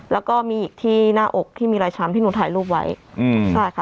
แล้วก็มีอีกที่หน้าอกที่มีรอยช้ำที่หนูถ่ายรูปไว้อืมใช่ค่ะ